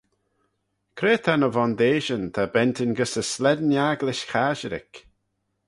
Cre ta ny vondeishyn ta bentyn gys y slane agglish casherick?